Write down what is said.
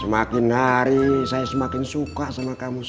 semakin hari saya semakin suka sama kamu